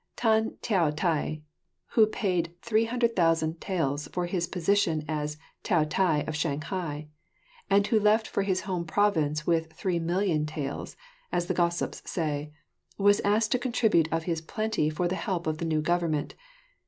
Tan Toatai, who paid 300,000 taels for his position as Toatai of Shanghai, and who left for his home province with 3,000,000 taels, as the gossips say, was asked to contribute of his plenty for the help of the new government.